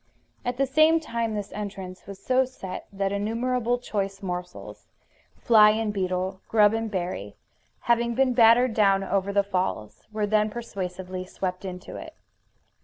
At the same time this entrance was so set that innumerable choice morsels, fly and beetle, grub and berry, having been battered down over the falls, were then persuasively swept into it.